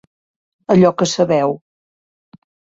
Allò que sabeu.